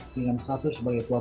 dengan status sebagai